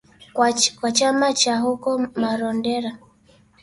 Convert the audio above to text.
kwa chama cha huko Marondera